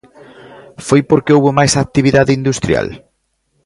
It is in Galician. ¿Foi porque houbo máis actividade industrial?